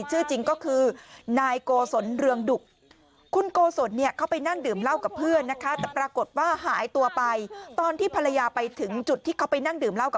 ชื่อจริงก็คือนายโกศลเรืองดุก